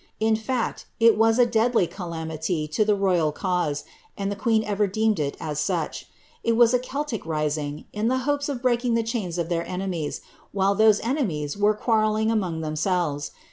In fact, it was a deadly calamity to the royal cause, and tlie queen ever deemed it as such. It was a Celtic rising, in tlie hopes of breaking the chains of their enemies, while those enemies were qnar* relling among themselves.